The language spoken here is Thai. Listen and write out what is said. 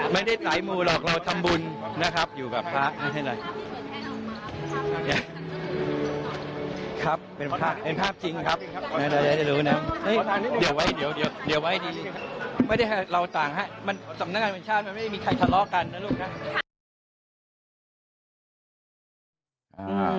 มันไม่ได้เราสั่งครับสำนักงานบิ๊กคราวนี้ไม่มีใครทะเลาะกันนะฮะ